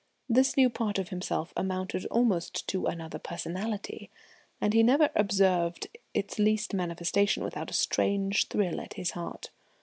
This new part of himself amounted almost to another personality, and he never observed its least manifestation without a strange thrill at his heart.